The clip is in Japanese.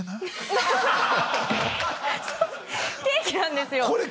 ケーキなんですよ。